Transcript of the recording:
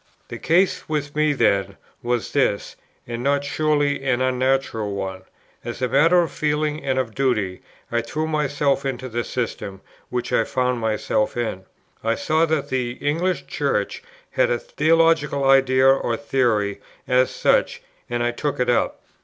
"The case with me, then, was this, and not surely an unnatural one: as a matter of feeling and of duty I threw myself into the system which I found myself in. I saw that the English Church had a theological idea or theory as such, and I took it up.